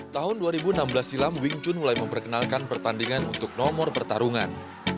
tahun dua ribu enam belas silam wing chun mulai memperkenalkan pertandingan untuk nomor pertarungan